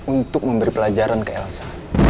untuk memberi pelajaran ke elsa